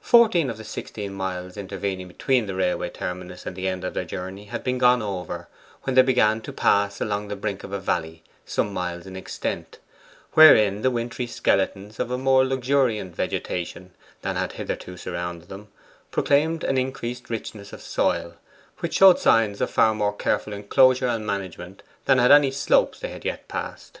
Fourteen of the sixteen miles intervening between the railway terminus and the end of their journey had been gone over, when they began to pass along the brink of a valley some miles in extent, wherein the wintry skeletons of a more luxuriant vegetation than had hitherto surrounded them proclaimed an increased richness of soil, which showed signs of far more careful enclosure and management than had any slopes they had yet passed.